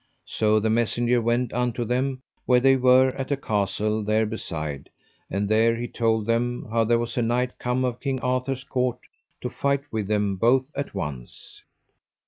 So the messenger went unto them where they were at a castle there beside; and there he told them how there was a knight come of King Arthur's court to fight with them both at once.